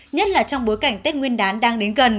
nhất là trong bối cảnh tết nguyên đán đang đến gần